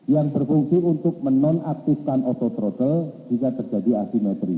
yang berfungsi untuk menonaktifkan auto throttle jika terjadi asimetri